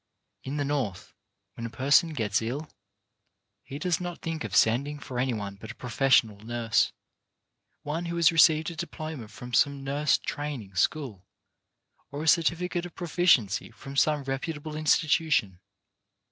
In the North, when a person gets ill, he does not think of sending for any one but a professional nurse, one who has received a diploma from some nurse training school, or a certificate of proficiency from some reputable in stitution.